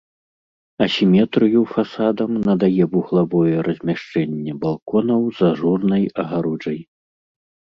Асіметрыю фасадам надае вуглавое размяшчэнне балконаў з ажурнай агароджай.